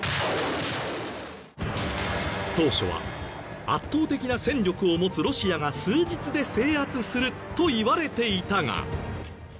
当初は圧倒的な戦力を持つロシアが数日で制圧するといわれていたが。